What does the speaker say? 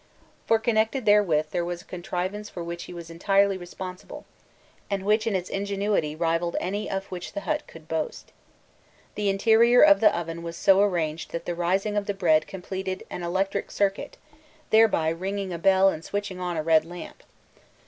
For connected therewith was a contrivance for which he was entirely responsible, and which in its ingenuity rivalled any of which the hut could boast. The interior of the oven was so arranged that the 'rising' of the bread completed an electric circuit, thereby ringing a bell and switching on a red lamp.